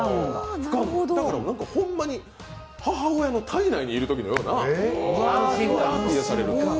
だからほんまに母親の胎内にいるときのような安心感。